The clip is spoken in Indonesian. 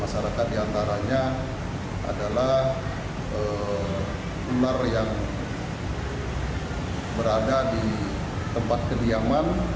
masyarakat diantaranya adalah ular yang berada di tempat kediaman